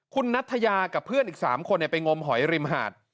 คุณนัทยากับเพื่อนอีก๓คนไปงมหอยริมหาด